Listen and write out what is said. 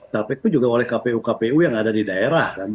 tapi juga oleh kpu kpu yang ada di daerah kan